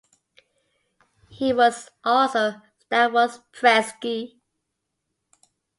He was also "starost prenski".